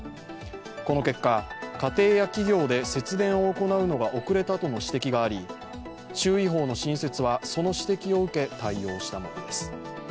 この結果、家庭や企業で節電を行うのが遅れたとの指摘があり注意報の新設は、その指摘を受け対応したものです。